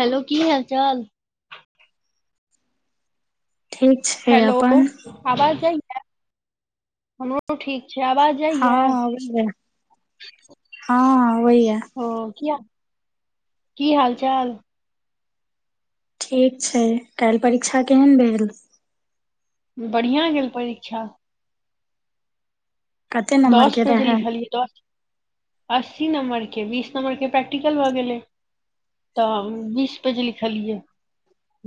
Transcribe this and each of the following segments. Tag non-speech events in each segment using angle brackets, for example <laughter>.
hello की हाल चाल ठीक छै हेलो अपन आवाज जाइया हमरो ठीक छै आवाज जाइए हँ अबैछै हँ होईय ओ किया की हाल चाल ठीक छै काल्हि परीक्षा केहन भेल बढ़िया गेल परीक्षा कते नम्बर दस के पेज रहै लिखलियै दस अस्सी नम्बर के बीस नम्बरके प्रैक्टिकल भऽ गेलै तऽ बीस पेज लिखलियै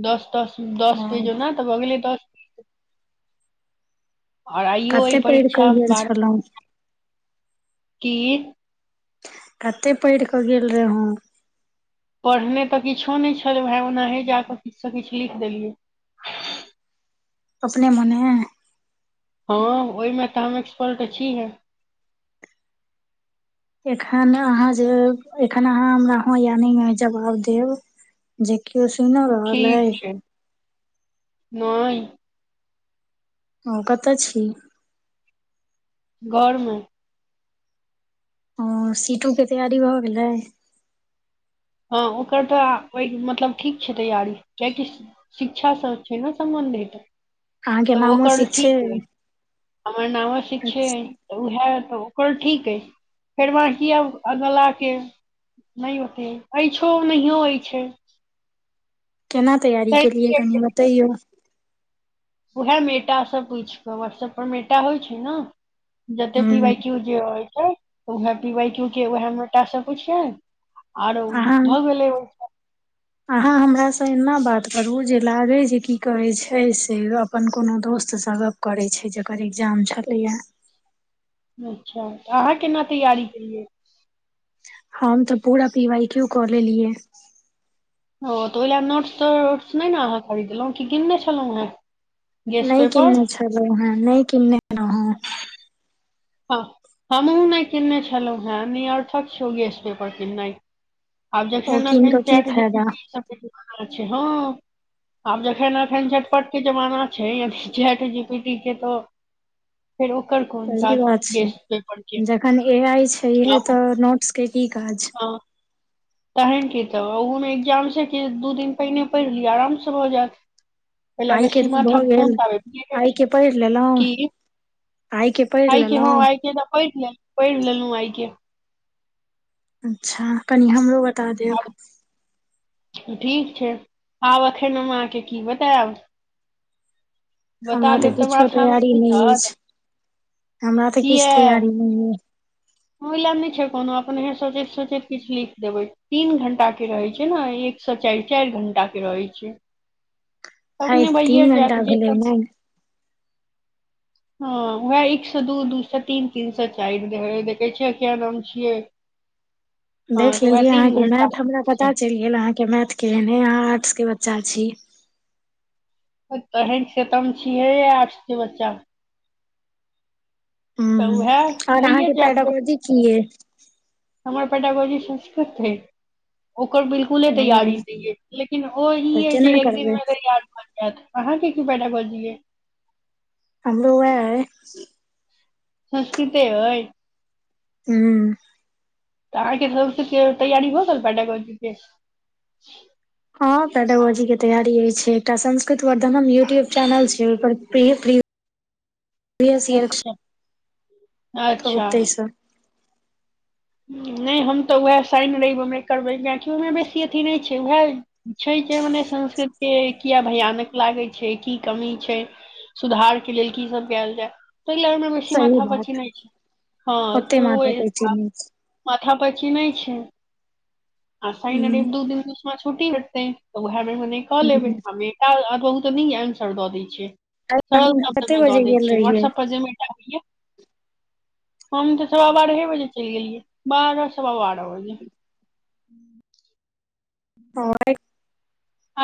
दस दस दस हँ पेजो ओना तो भऽ गेलै दस ओर आइयो कते एहि पढ़ि कऽ परीक्षा गेल बार छलहुँ की कते पढ़ि कऽ गेल रहू पढ़ने तऽ किछो नहि छलोऊ हें ओनाहे जा के किछु से किछु लिख देलियै अपने मोने हँ ओहिमे तऽ हम एक्सपर्ट छीहे एखन अहाँ जे एखन अहाँ हमरा हँ या नै में जवाब देब जे केओ सुनो रहल ठीक अइ छै नहि हँ कतऽ छी घरमे हँ सीटो क तैयारी भऽ गेलै हँ ओकर तऽ ओहि मतलब ठीक छै तैयारी कियकि शिक्षासँ छै ने सम्बन्छित अहाँके तऽ नामो ओकर सीट छै ठीक अछि हमर नामो अवश्य छै अच्छा तऽ उएह तऽ ओकर ठीक अइ फेर वहाँ अगलाके नहि होइतेँ अछि नहियो अछि केना तैयारी तैं केलियै कनि बतैयऔ उएह मेटा स पूछि के व्हाट्सएप पर मेटा होइ छै ने जतेक हूँ पीबाय क्यू जे हो छै उहे पीबए क्यू के उहे मेटा सभ पुछियै आओर अहाँ भऽ गेलै ओ अहाँ हमरासँ एना बात करू जे लागै जे की कहै छै से अपन कोनो दोस्तसभक करै छै जेकर एग्जाम छलैया अच्छा आहाँ केना तैयारी केलियै हम तऽ पूरा पीवाइ क्यू कऽ लेलियै ओ तऽ ओहि लऽ नोट्स तोट्स नहि ने आहाँ खरीदलहुं कि किनने छलहुँ हे नहि किन्ने छलो हँ नहि किन्ने रहोउ हँ हमहु नहि किनने छलहुँ हैं निरर्थक छै ओ गेस पेपर किननाई आब ओ जखन कीन एखन कऽ की फायदा चैटजीपीटी सबकेँ देखैय लागल छह आब जखन अखन झटपट के जमाना छै चैट जीपीटी के तऽ फेर ओकर कोन सही काज बात गेस पेपर के जखन ए आइ छै इहे तऽ नोट्स के की काज हँ तहेन की तऽ ओहूमे एग्जामसँ कि दू दिन पहिने पढ़ि लिय आरामसँ भऽ जायत ओहि ल आइ के बेसी माथा भऽ प कोन गेल पाबैय ल आइ के छनि पढ़ि लेलहुँ कि आइ पढ़ि आइ के हँ लेलहुँ आइ के त पैढि लेलोऊ पैढि लेलोऊ आइके अच्छा कनि हमरो बता देब आब ठीक छै आब एखन हम अहाँकेँ की बतायब बता हमरा तऽ देब किछु माथामे तैयारी नहि घुसत अछि हमरा तऽ किया किछु तैयारी नहि अछि ओहि ला नहि छै कोनो अपने सोचैत सोचैत किछु लिख देबै तीन घंटा के रहै छै ने एकसँ चारि चारि घंटा के रहैत छै आइ अपने तीन भैए घंटा जायत जे भेलै सब ने हँ वैह एक सए दू दू सए तीन तीन सए चारि हो कह छैय कियाक नाम छियै हँ देख तऽ उएह लेलियै तीन अहाँके घंटा मैथ हमरा छै पता चलि गेल अहाँके मैथ केहन अछि अहाँ आर्ट्स के बच्चा छी तहन तेँ हम छियै आर्ट्स के बच्चा तऽ वहै भए जाइत देखबै छी हमर पेडागाॅजी संस्कृत अछि ओकर बिलकुल फुले ओ तैयारी नहि अछि लेकिन तऽ ओहि केना जेँ एक करबै दिनमे अगर याद भऽ जाइत अहाँके की पेडागाॅजी अछि हमरो वैह अछि संस्कृते अछि हु तँ आहाँक घर सँ तैयारी भ गेल पेडागाॅजीके हँ पेडोगाॅजी के तैयारी अछि छै एकटा संस्कृत वर्धनम यूट्यूब चैनल छै ओहि पर प्रिय प्रिय पियसर्ग अच्छा कहु अच्छा ताहि सँ नहि हम तऽ उएह साइन रहेबै करबै किएकि ओहिमे बेसी अथी नहि छै उएह छै जे मने संस्कृते के किया भयानक लागै छै की कमी छै सुधार के लेल की सब कयल जाय त लड़मे बेसी सही मथा पची बात नहि छै हँ त ओते माथा पैचै नै छै माथा पर चिन्ह छै आ शईन हूँ रेब दू दिन बिच मे छुटी हटतेै तऽ उएहमे मने कऽ लेबै हूँ हमे काल्हि अदोद न आन्सर द दै छियै काल्हि <unintelligible> सरल अहाँ सब्द कते में बजे दै गेल छियै रहियै वाट्सऐप पर जे मेटा होइयए हम त सवा बारहे बजे चलि गेलियै बारह सवा बारह बजे ह <unintelligible> हँ <unintelligible> <unintelligible>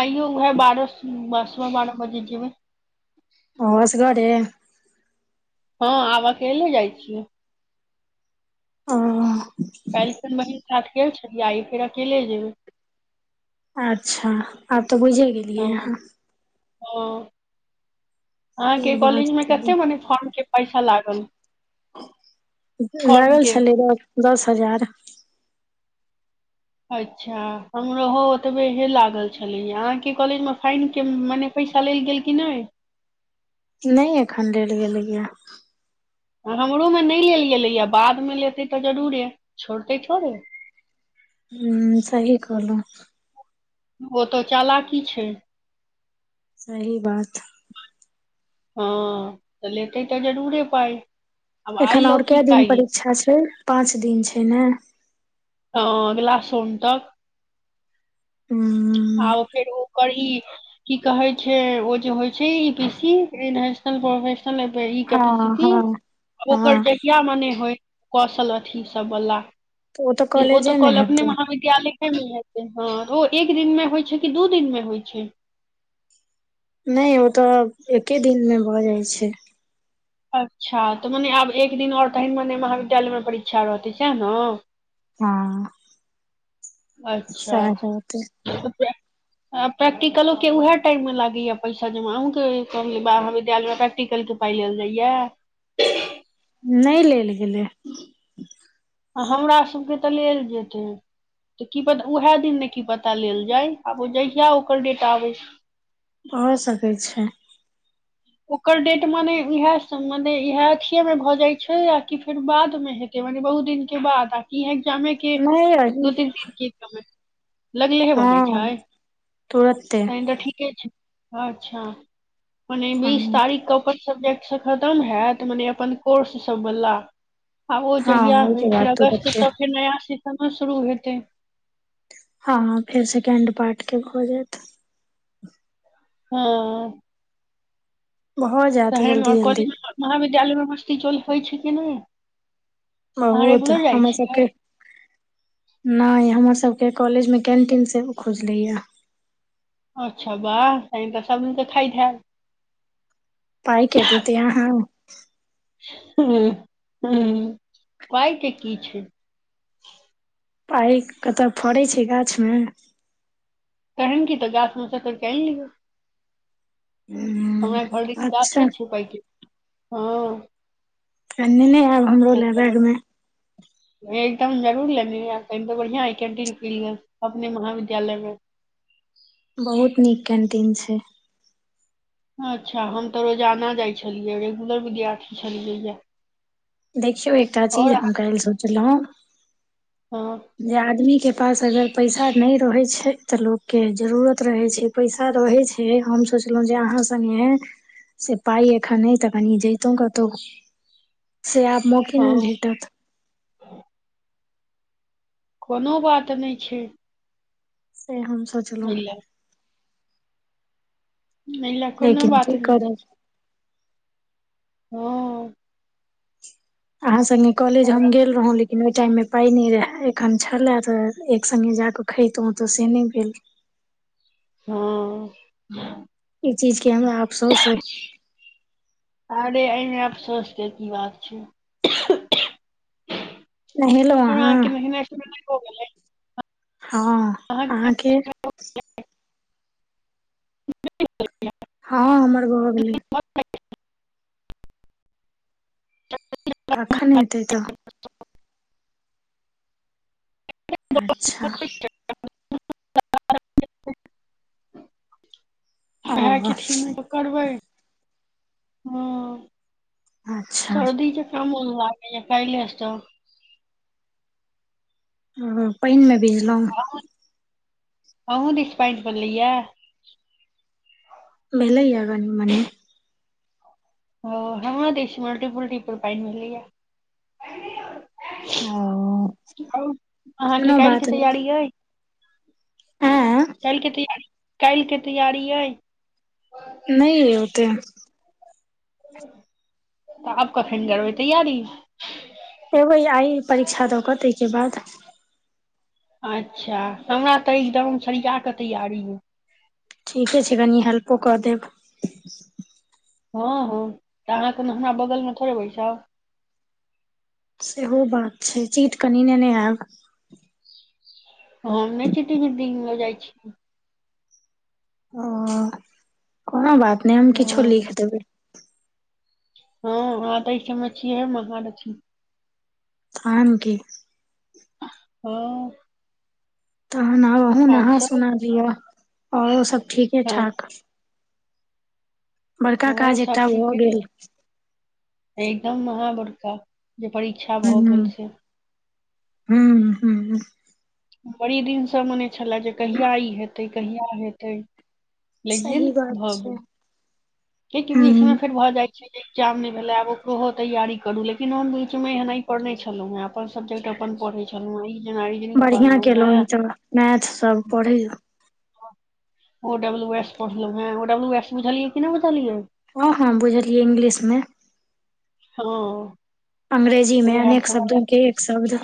आइयो उए बारस सब में बारह बजे जेबै ह असगरे हँ आब अकेले जाइ छी आ काल्हि खिन बहीन साथ गेल छल आइ फेर अकेले जेबै अच्छा आब त बुझे गेलियै हाँ ओ से अहाँके बात कॉलेज मे कते मने फॉर्म के पैसा लागल फॉर्म लागल के छलै द दस हजार अच्छा हमर हो ओतबे हे लागल छलैय अहाँके कि कहलिय फाइन के मने पैसा लेल गेल की नहि नहि अखन लेल गेलै ये हमरो मे नहि लेल गेलैए बादमे लेतै त जरूरे छोड़तै थोड़े हूं सही कहलौ ओ तऽ चाला की छै सही बात हँ त लेते त जरूरे पाइ <unintelligible> आब एखन आइ लौ और क कि दिन काल्हि परीक्षा छै पाँच दिन छै ने ह अगिला सोम तक हूँ <unintelligible> आ फेर ओ करी की कहै छै ओ जे होइ छै इ पी सी नेशनल प्रोफेश ई हँ कैपेसिटी हँ ओकर हँ जहिया मने होइ कौशल अथि ई सब बला तऽ तऽ ओ कॉलेजे तऽ मे कहल अपने हेतै महाविद <unintelligible> ख्या लेखेमे हेतै हँ ओ एक दिन मे होइ छै कि दू दिन मे होइ छै नहि ओ तऽ एके दिन मे भऽ जाइ छै अच्छा तऽ मने आब एक दिन आओर तहन मने महाविद्यालय मे परीक्षा रहतै सएह ने हँ अच्छा सएह रहतै प्रैक्टिकलो के उएह टाइम मे लागैएा पैसा जमा अहुँ के कही बाह विद्यालय टिकल के पाइ लेल जाइया नै लेल गेलै आ हमरा सभके तऽ लेल जेतै त की पता उएह दिन ने की पता लेल जाय आब ओ जहिया ओकर डेट आबै भऽ सकैत छै ओकर डेट मने इह सब मने इएह अथय मे भऽ जाय छै आ कि फेर बाद मे हे मने बहुत दिन के बाद आ की एग्जामे के नहि दू अही तीन दिन क एज लगलेहे बने हँ छै तुरते तनी ठीके छै अच्छा मने बीस हँ तारीख के अपन सब्जेक्ट सब खतम होयत मने अपन कोर्स सब बला आ ओ हँ जहिया हइ ओहिके बाद फेर तो अगस्त से बच्चे त फेर नया सेशनो शुरू हेतै हँ फेर सेकेण्ड पार्ट के भऽ जैत हं भऽ जायत तेमे जल्दी ओर जल्दी कॉलेज महाविद्यालय में भर्ती चोल होइ छै कि ने ओ ओ त हम छियै सबके न हमर सबके कॉलेज में कैंटीन से खुजले यै अच्छा ब स त सबझ तऽ खथन पाइ ख देती त अहाँ हं हं पाइ के की छै पाइ कतऽ फड़ै छै गाछ में कहेगी त गाछ में स तोइड़ क आन लीय हमरा घर लीग अच्छा साफे छै पै हँ एने नय आयल ह ब एकदम जरूर लेने बढ़िया हइ कन्टीन फल अपने महाविद्यालय में बहुत नीक कैन्टीन छैय अच्छा हम तऽ रोजाना जाइ छलियै रेगुलर विद्यार्थी छलियै यै देखियौ एकटा चीज हम करे ल सोचलौ हँ जे आदमी के पास अगर पैसा नै रहै छै तऽ लोकगके जरूरत रहै छै पैसा रहै छै हम सोचलहुँ जे आहाँ संगे से पाय खा नहि त कनि जेतौ कतो से आ म कि हँ नै हँ भेटत कोनो बात नै छै से हम सो ह नै ल कोनो लेकिन बात की नहि छै करब हँ अहा संगे कॉलेज हम और- गेल रहौ लेकिन ओहि टाइम मे पााय नहि रहे एखन छले त एक संग्गे जााके खैत में तऽ से नहि भेल हँ इ चीज के हमरा अफसोस है अरे एहि में अफसोस के की बात छै नहेलहुँ अहाँ घरकिना गेलैय हँ आहाँके हँ हमर भऽ गेलै म च कखन हेतै त <inaudible> अच्छा ओहा ओ के तीसरी में करबै अच्छा सर्दी छै काम हो लागै छै कहिलसँ ओ पानि में भीजलहुँ अ अँ बोलैऐ भेलेयै य अगन मने ओ हमरा देश मल्टीपुल्टीपुल पानि मिलैया आउ अहाँके कोनो काल्हिके बात नहि तैयारी अय ऐं काल्हि के तैयार काल्हिके तैयारी अइ नहि ओते तऽ अब कखन करबै तैयारी ऐबई आइ परीक्षा दऽ कऽ ताहिके बाद अच्छा हमरा तऽ एकदम सरिया कऽ तैयारी य ठीके छै कनि हेल्पो कऽ देब हँ हँ तऽ अहाँ कोनो हमरा बगल मे थोड़े बैसाब सेहो बात छै चीट कनि नेेने आयब ह नहि चिटिंग इटिंग ल जाइ छी ओ कोनो बात नहि हम किछो हँ लिख देबै हँ अहाँ तऽ ई सबमे छियै है महालक्ष्मी तनकी हँ तहन आ अहु आओर नहा सब सुना लिअ औरो सब ठीके हँ ठाक बड़का हमरो काज सब एकटा भऽ ठीके गेल छै एकदम महा बड़का जे परीक्षा भऽ गेल से हूँ हू <unintelligible> बड़ी दिनसँ मने छलए जे कहिया ई हेतै कहिया हेतै लेकिन सही बात भऽ छै गेल हूं इीमे फेर भऽ जाइ ्जाम नहि भेले आब ओकरो हो तैयारी करू लेकिन हम बिच एना पढ़ने छलहुं हे अपन सब्जेक्ट अपन पढ़े छलों है इ जेना इंजीनियरिंग बढ़िया पढ़लहुं केलहुँ ई हें तऽ मैथ सब पढ़ै ओ डब्लू एस पढ़लो ह ओ डब्लू एस बुझलियै की नहि बुझलियै हँ हँ बुझलियै इंग्लिश मे हँ तऽ अंग्रेजीमे उएह सब अनेक हमरा- शब्दो के एक शब्द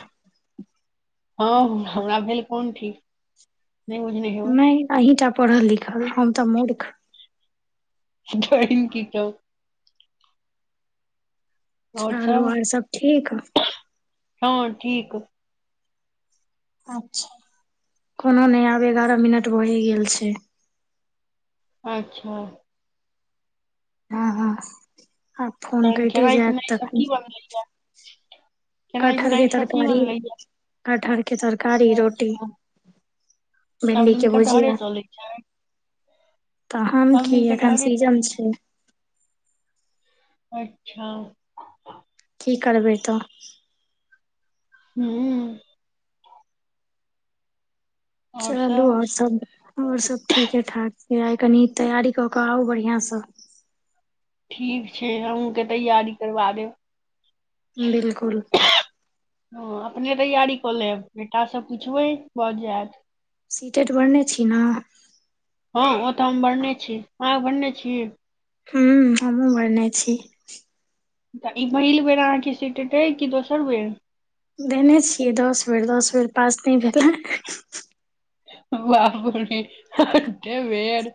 हँ हमरा भेल कोन ठीक नहि बुझने हे नहि अहींटा पढ़ल लिखल हम तऽ मूर्ख जइन कीटौ <unintelligible> चलू आर सब ठीक हँ ठीक अच्छा कोनो नहि आब एगारह मिनट भैये गेल छै अच्छा <unintelligible> हँ हँ आ फोन तहन कटे खेनाइ जायत पिनाइ सब तखन की <inaudible> <inaudible> खेनाइ कटहर के पिनाइ सब की तरकारी बनलैए कटहर के तरकारी या रोटी अच्छा सब भिंडी दिन के कटहरे भुजिया चलै छै तहन सब की दिन एखन कटहरे सीजन चलै छै अच्छा कि करबै तऽ हूँ चलू आओर सब आओर सब ठीके ठाक छै आइ कनि तैयारी कऽ कऽ आउ बढ़िआँसँ ठीक छै अहूँके तैयारी करबा देब बिलकुल ह अपने तैयारी कऽ लेब बेट सब पुछबै भऽ जायत सीटेड बढ़ने छी ने हँ ओ तऽ हम बढ़ने छी अहां बढ़ने छी हूँ हमू भरने छी त ई पहिल बेर अहाँके सीट हेते कि दोसर बेर देने छियै दस बेर दस बेर पास नहि भेलै बापी वेर